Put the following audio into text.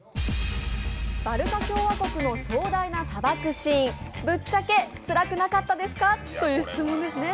バルカ共和国の壮大な砂漠シーンぶっちゃけつらくなかったですか？という質問ですね。